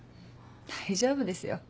大丈夫ですよ。